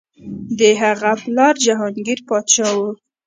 د هغه پلار جهانګیر پادشاه و.